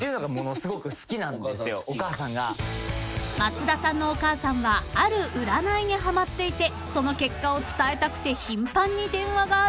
［松田さんのお母さんはある占いにはまっていてその結果を伝えたくて頻繁に電話があるそうで］